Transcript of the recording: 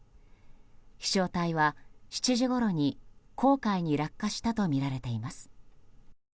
飛翔体は７時ごろに黄海に落下したとみられています。